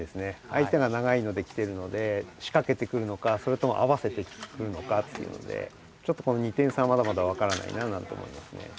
相手が長いのできてるのでしかけてくるのかそれとも合わせてくるのかっていうのでちょっとこの２点差はまだまだわからないななんて思いますね。